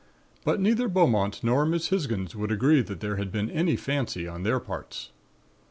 But neither Beaumont nor Miss Hisgins would agree that there had been any fancy on their parts.